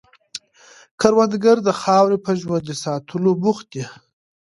کروندګر د خاورې په ژوندي ساتلو بوخت دی